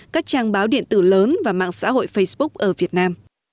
các trang báo điện tử lớn và mạng xã hội facebook ở việt nam